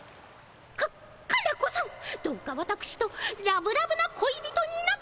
カカナ子さんどうかわたくしとラブラブな恋人になってくださいませ。